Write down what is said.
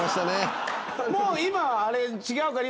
もう今あれ違うから。